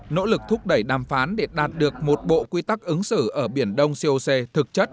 nỗ lực thúc đẩy đàm phán để đạt được một bộ quy tắc ứng xử ở biển đông coc thực chất